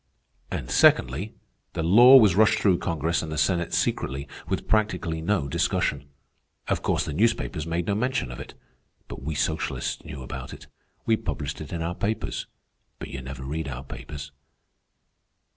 And secondly, the law was rushed through Congress and the Senate secretly, with practically no discussion. Of course, the newspapers made no mention of it. But we socialists knew about it. We published it in our papers. But you never read our papers."